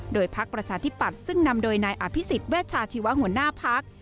โดยพักประชาธิปัตย์ซึ่งนำโดยนายอภิษฎเวชาชีวะหัวหน้าพัก